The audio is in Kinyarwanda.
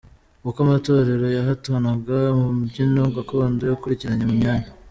Uko amatorero yahatanwaga mu mbyino gakondo yakurikiranye mu myanya :.